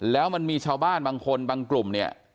แล้วมันมีชาวบ้านบางคนบางกลุ่มเนี่ย